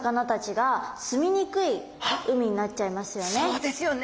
そうですよね。